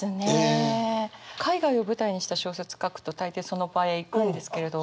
海外を舞台にした小説書くと大抵その場へ行くんですけれど。